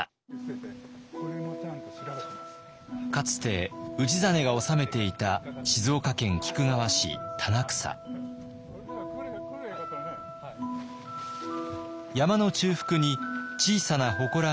かつて氏真が治めていた山の中腹に小さなほこらがあります。